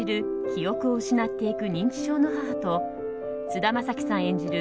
記憶を失っていく認知症の母と菅田将暉さん演じる